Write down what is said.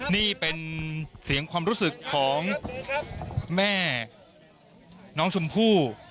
นี่เป็นเสียงความรู้สึกของแม่น้องชมพู่